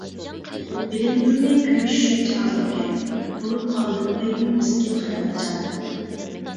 بىلىندۈرمەي كۆيۈش شۇنچە ئازابكەن، بولۇپ قالدىم بەكمۇ مىسكىن خىيالچان.